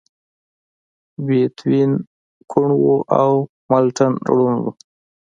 بيتووين کوڼ و او ملټن ړوند و.